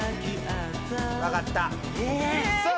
分かったさあ